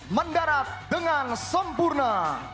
mendarat dengan sempurna